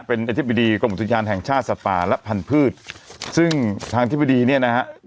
เป็นอธิบดีกรมอุทยานแห่งชาติสัตว์ป่าและพันธุ์ซึ่งทางธิบดีเนี่ยนะฮะ